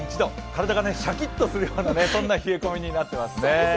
体がシャキッとするようなそんな冷え込みとなっていますね。